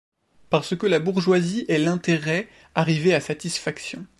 Parce que la bourgeoisie est l’intérêt arrivé à satisfaction.